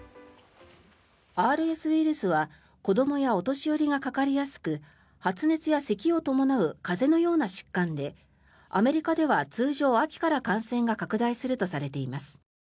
ＲＳウイルスは子どもやお年寄りがかかりやすく発熱やせきを伴う風邪のような疾患でアメリカでは通常、秋から感染が拡大するとされています。